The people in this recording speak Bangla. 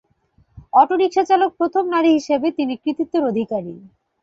অটো-রিকশা চালক প্রথম নারী হিসাবে তিনি কৃতিত্বের অধিকারী।